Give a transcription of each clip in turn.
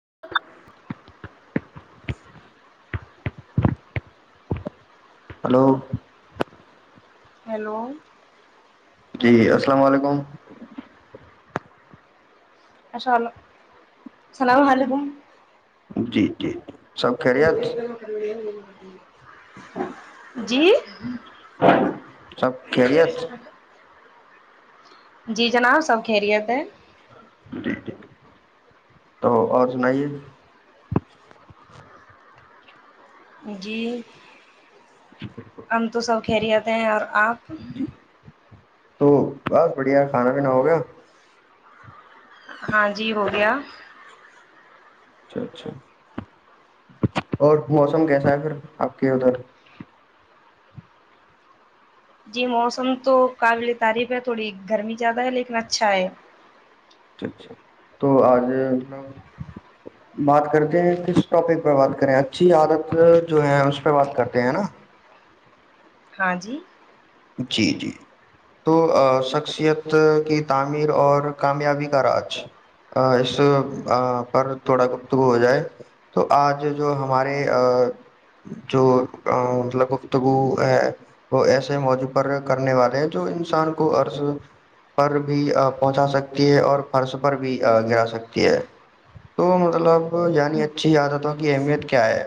[inaudible] hello hello جی السلام علیکم اشاء اللام ععلیکم جی جی جی ہمت م کر ہ سب کہرییےت جی جناب سب خریعد جٹی ھ تو اور سنائیے جی آم تو سب پھیری ہوتے ہیں اور آپ تو بس بڑھیا کھانا پینا ہو گیا ہاں جی ہو گیا اچھا اچھا اور موسم کیسا ہے پھر آپ کے ادھر جی موسم تو قابل تعریف ہے تھوڑی گرمی زیادہ ہے لیکن اچھا ہے اچھا اچھا تو آج مطلب بات کرتے ہیں کس ٹاپک پہ بات کریں اچھی عادت جو ہے اس پہ بات کرتے ہیں ہے نا ہاں جی جی جی تو شخصیت کی تعمیر اور کامیابی کا راج اس پر تھوڑا گفتگو ہو جائے تو آج جو ہمارے جو مطلب گفتگو ہے وہ ایس سے موجو پر کرنے والے ہیں جو انسان کو عرض پر بھی پہنچا سکتی ہے اور فرض پر بھی گرا سکتی ہے تو مطلب یعنی اچھی عادتوں کی اہمیت کیا ہے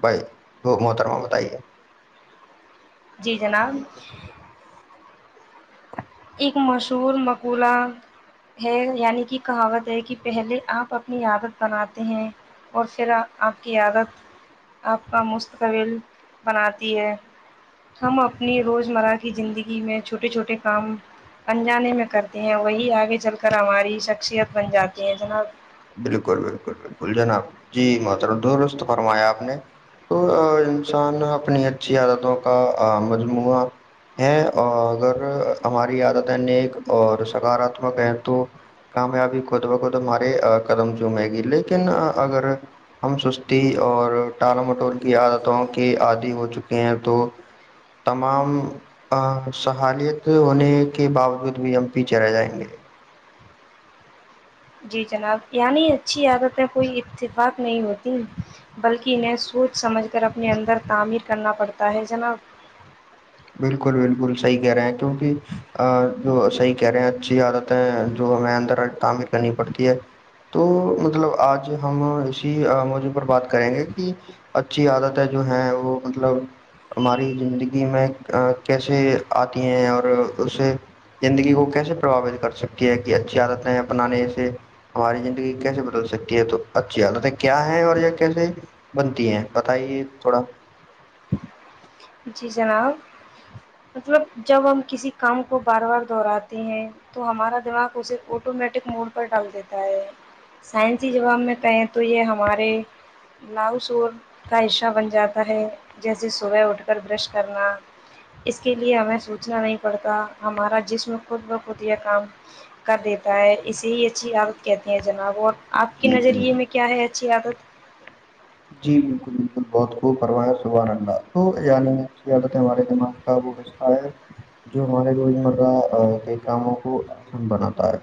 بھائی محترمہ بتائیے جی جناب ایک مشہور مقولہ ہے یعنی کہ کہاوت ہے کہ پہلے آپ اپنی عادت بناتے ہیں اور پھر آپ کی عادت آپ کا مستقبل بناتی ہے ہم اپنی روزمرہ کی زندگی میں چھوٹے چھوٹے کام پجانے میں کرتے ہیں وہی آگے چل کر ہماری شخصیت بن جاتی ہیں جناب کلجناب جی مترب درست فرمایا آپ نے تو انسان اپنی اچھی عادتوں کا مجموعہ ہے اور اگر ہماری عادتیں نیک اور سکاراتمک ہیں تو کامیابی کو خود بخود ہمارے قدم چومے گی لیکن اگر ہم سستی اور ٹالا مٹول کی عادتوں کے عادی ہو چکے ہیں تو تمام سہالیت ہونے کے باوجود بھی ہم پیچھے رہ جائیں گے جی جناب یعنی اچھی عادت کوئی اتفاق نہیں ہوتی بلکہ انہیں سوچ سمجھ کر اپنے اندر تعمیر کرنا پڑتا ہے جناب بلکل بلکل صحیح کہہ رہے ہیں کیونکہ جو صحیح کہہ رہے ہیں اچھی عادتیں جو ہمیں اندر تعمیر کرنی پڑتی ہے تو مطلب آج ہم اسی موجع پر بات کریں گے کہ اچھی عادتیں جو ہیں وہ مطلب ہماری زندگی میں ا کیسے آتی ہیں اور اسے زندگی کو کیسے پرباوت کر سکتی ہے کہ اچھی عادتیں اپنانے سے ہماری زندگی کیسے بدل سکتی ہے تو اچھی عادتیں کیا ہیں اور کیسے بنتی ہیں بتائیے تھوڑا جی جناب مطلب جب ہم کسی کام کو بار بار دہراتے ہیں تو ہمارا دماغ اسے آٹومیٹک موڈ پر ڈال دیتا ہے سائنسی جوباب میں کہیں تو یہ ہمارے لاؤ سور کا حصہ بن جاتا ہے جیسے صبح اٹھ پر برش کرنا اس کے لیے ہمیں سوچنا نہیں پڑتا ہمارا جسم خود بخود یہ کام کر دیتا ہے اسے ہی اچھی عادت کہتی ہیں جناب اور آپ کے جی جی جی نظریے میں کیا ہے اچھی عادت جی بلکل بلکل بہت خوب فرمائیں سبحان اللہ تو یعنی اچھی عادت ہے ہمارے دماغ کا وہ رستہ ہے جو ہمارے روز مرہ کے کاموں کو آسان بناتا ہے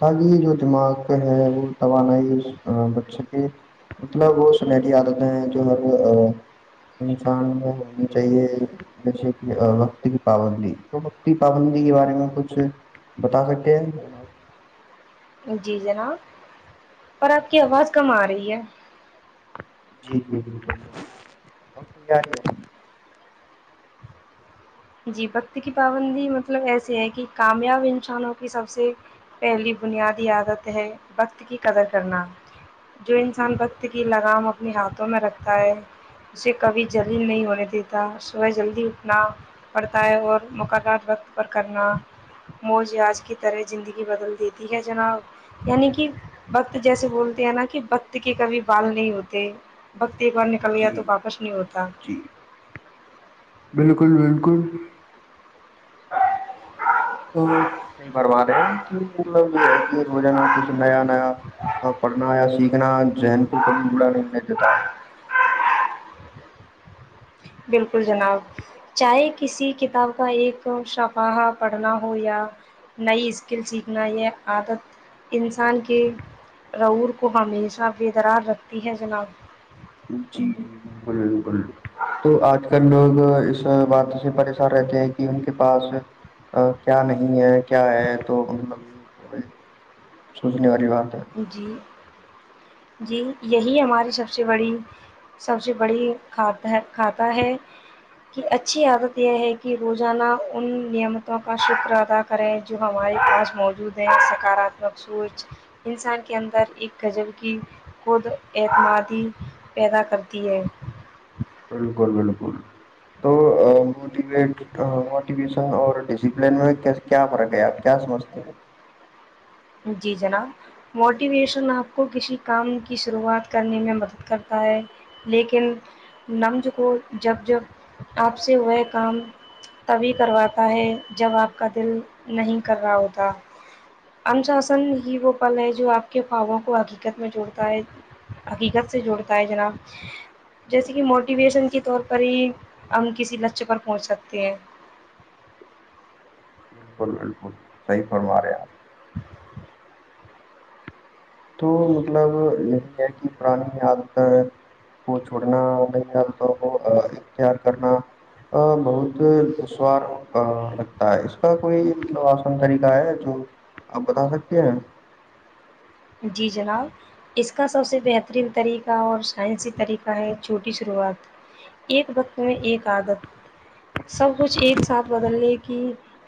تاکہ جو دماغ ہے وہ توانائی بچے کے مطلب سنی عادتیں ہیں جو ہر انسان میں ہونی چاہیے جیسے کہ وقت کی پابندی تو وقت کی پابندی کے بارے میں کچھ بتا سکتے ہیں جی جناب پر آپ کی آواز کم آ رہی ہے جی جی بلکل اب صحیح آرہی ہے جی وقت کی پابندی مطلب ایسیے ہے کہ کامیاب انسانوں کی سب سے پہلی بنیادی عادت ہے وقت کی قدر کرنا جو انسان جی وحت کی لگام اپنے ہاتھوں میں رکھتا ہے اسے کبھی جل نہیں ہونے دیتا صبح جلدی اٹھنا پڑتا ہے اور مقرات وقت پر کرنا موج آج کی طرح زندگی بدل دیتی ہے جناب یعنی کہ وقت جیسے بولتے ہیں نا کہ وقت کے کبھی بال نہیں ہوتے وقت ایک بار نکل گیا جی تو واپس نہیں ہوتا بلکل بلکل تو نہیںی برباد ہیں کہ مطلب یہ ہے کہ روزانہ کچھ نیا نیا اور پڑھنا ہویا [unintelligible] بلکل جناب چاہے کسی کتاب کا ایک شفاہہ پڑھنا ہو یا نئی اسکل سیکھنا یہ عادت انسان کے رور کو ہمیشہ بے درار رکھتی ہے جناب جی جی بلکل بلکل تو آج کل لوگ اس بات سے پریشان رہتے ہیں کہ ان کے پاس کیا نہیں ہے کیا ہے تو مطلب یہ تو ایک سوچنے والی بات ہے جی جی یہی ہماری سب سے بڑی سب سے بڑی ک کھاتہ ہے کہ اچھی عادت یہ ہے کہ روزانہ ان نیمتوں کا شکر ادا کریں جو ہمارے پاس موجود ہے سکاراتمک سوچ انسان کے اندر ایک غزل کی خود اعتمادی پیدا کرتی ہے بلکل بلکل تو موٹیویٹ موٹیویشن اور ڈسپلن میں کیا فرق ہے آپ کیا سمجھتے ہیں جی جناب موٹیویشن آپ کو کسی کام کی شروعات کرنے میں مدد کرتا ہے لیکن نمز کو جب جب آپ سے وہ کام تبھی کرواتا ہے جب آپ کا دل نہیں کر رہا ہوتا انشاسن ہی وہ پل ہے جو آپ کے فاووں کو حقیقت میں جوڑتا ہے حقیقت سے جوڑتا ہے جناب جیسے کہ موٹیویشن کے طور پر ہی ہم کسی لچ پر پہنچ سکتے ہیں بالکل بالکل صحیح فرما رہے آپ تو مطلب یہی ہے کہ پرانی عادتیں کو چھوڑنا نئی عادتوں کو اختیار کرنا بہت دسوار لگتا ہے اس کا کوئی مطلب آسن طریقہ ہے جو آپ بتا سکتے ہیں جی جناب اس کا سب سے بہترین طریقہ اور سائنسی طریقہ ہے چھوٹی شروعات ایک وقت میں ایک عادت سب کچھ ایک ساتھ بدلنے کی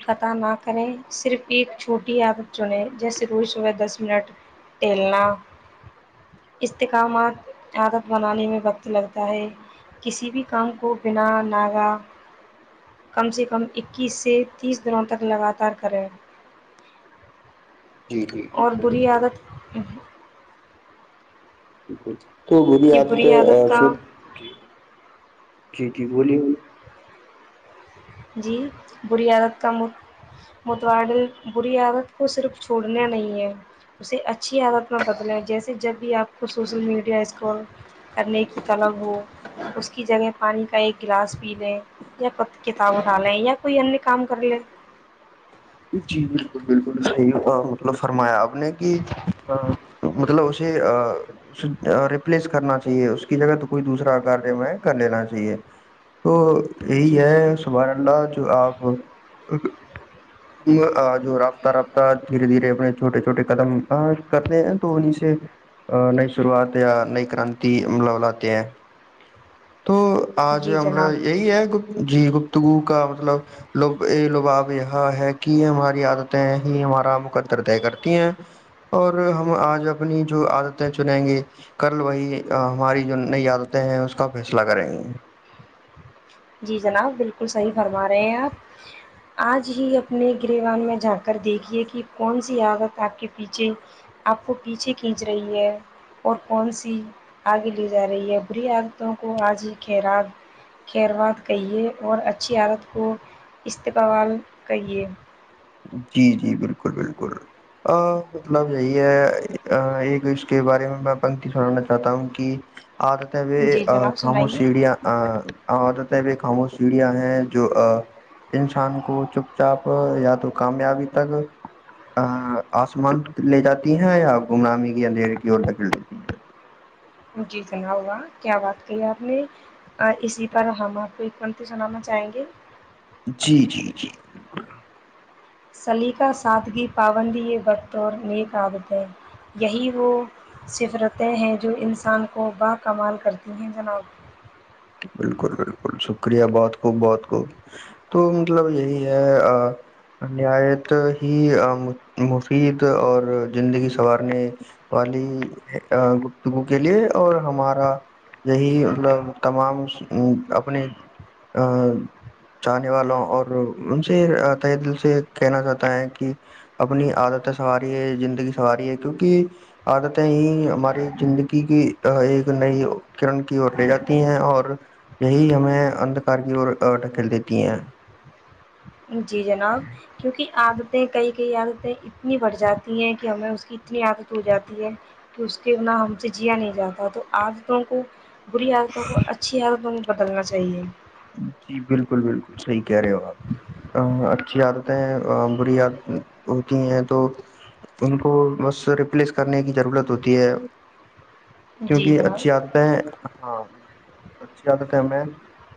قتا نہ کریں صرف ایک چھوٹی عادت چنیں جیسے روز صبح دس منٹ ٹلنا استحکامات عادت بنانے میں وقت لگتا ہے کسی بھی کام کو بنا ناگہ کم سے کم اکیس سے تیس دنوں تک لگاتار کرے جی جی اور بالکل بری بالکل عادت بلکل [unintelligible] تو کی بری عادت کا آدت جی جی بولیےبولے جی بری عادت کا متوادل بری عادت کو صرف چھوڑنا نہیں ہے اسے اچھی عادت میں بدلیں جیسے جب بھی آپ کو سوسل میڈیا اسٹول کرنے کی طلب ہو اس کی جگہ پانی کا ایک گلاس پی لیں یا کتاب ا ڈھ لیں یا کوئی ان کام کر لے جی بالکل بالکل صحیح مطلب فرمایا آپ نے کہ مطلب اسے اس ریپلیس کرنا چاہیے اس کی جگہ تو کوئی دوسر کار میں کر لینا چاہیے تو جی یہی جی ہے سبحان اللہ جو آپ ایکک جو رابطہ رابطہ دھیرے دھیرے اپنے چھوٹے چھوٹے قدم کرتے ہیں تو انیں سے نئی شروعات یا نئی کرانتی ملا لاتے ہیں تو آج جی ہم جناب یہی ہے جی گفتگو کا مطلب لب یہ لباب یہاں ہے کی ہماری عادتیں ہی ہمارا مقدر طے کرتی ہیں اور ہم آج اپنی جو عادتیں چنیں گے کل وہی ہماری جو نئی عادتیں ہیں اس کا فیصلہ کریں گی جی جناب بالکل صحیح فرما رہے ہیں آپ آج ہی اپنے گرہوان میں جا کر دیکھیے کہ کون سی عادت آپ کے پیچھے آپ کو پیچھے کھینچ رہی ہے اور کون سی آگے لے جا رہی ہے بری عادتوں کو آج ہی خر خیروات کہیے اور اچھی حالت کو استقبال کریے جی جی بالکل بالکل مطلب یہی ہے ایک اس کے بارے میں میں پنکتی سنانا چاہتا ہوں کہ عادتیں بھی جی جناب خاموش سنائیے سیڈیا خاموش سیڑیاں ہیں جو انسان کو چپ چاپ یا تو کامیابی تک ا آسمان لے جاتی ہیں یا گمنامی کی اندھیرے کی اور تک ڈال لیتی ہیں جی سنا واہ کیا بات کہی اپ نے اسی پر ہم اپ کو ایک سنانا چاہیں گے جی جی جی بالکل سلیقہ سادگی پابندی یہ وقت اور نیک عادتیں یہی وہ سفرتیں ہیں جو انسان کو باکمال کرتی ہیں جناب بالکل بالکل شکریہ بہت خ بہت خوب تو مطلب یہی ہے نیاایت ہی مفید اور زندگی سنوارنے والی گفتگو کے لیے اور ہمارا یہی مطلب تمام اپنے چاہنے والوں اور ان سے تہ دل سے کہنا چاہتا ہے کہ اپنی عادتیں سنواریں ہے زندگی سنواریں ہے کیونکہ عادتیں ہی ہماری زندگی کی ایک نئی کرن کی اور رہ ہیں اور یہی ہمیں ادکار کی اور ڈھکیل دیتی ہیں جی جناب کیونکہ عادتیں کئی کئی عادتیں اتنی بڑھ جاتی ہیں کہ ہمیں اس کی اتنی عادت ہو جاتی ہے کہ اس کےنا ہم سے جیا نہیں جاتا تو عادتوں کو بری ح عادتوں کو اچھی عادتوں بدلنا چاہیے جی بالکل بالکل صحیح کہہ رہے ہو آپ اچھی عادتیں ہیں بری عادتیں ہوتی ہیں تو ان کو بس ریپلیس کرنے کی ضرورت ہوتی ہے جی کیونکہ اچھی جناب عادت ہے ہاں بالکل بالکل اچھی عادت ہے ہمیں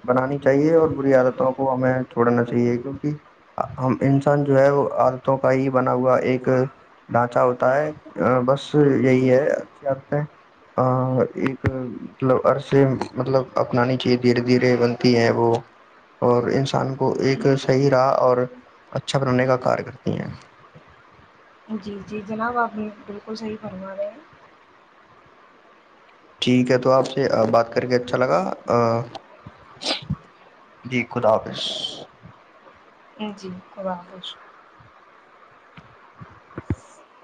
بنانی چاہیے اور بری عادتوں کو ہمیں چھوڑنا چاہیے کیونکہ ہم انسان جو ہے وہ عادتوں کا ہی بنا ہوا ایک ڈھانچہ ہوتا ہے بس یہی ہے اچھی عادتیں ایک مطلب عرص مطلب اپنانی چاہیے دھیرے دھیرے بنتی ہیں وہ اور انسان کو ایک صحیح راہ اور اچھا بنانے کا کار کرتی ہیں جی جی جناب آپ نے بالکل صحیح فرمایا رہے ہیں ٹھیک ہے تو آپ سے بات کر کے اچھا لگا جی خدا حافظ جی خدا حافظ